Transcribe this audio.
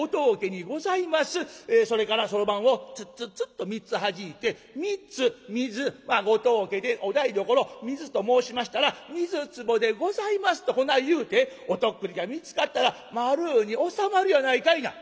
それからそろばんをツッツッツッと３つはじいて『３つ水ご当家でお台所水と申しましたら水壺でございます』とこない言うてお徳利が見つかったら丸うに収まるやないかいな」。